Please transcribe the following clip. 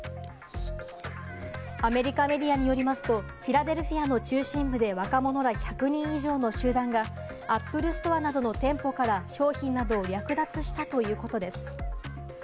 アメリカメディアによりますと、フィラデルフィアの中心部で若者ら１００人以上の集団がアップルストアなどの店舗から商品などを略奪したということです。